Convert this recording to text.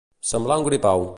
Semblar un gripau.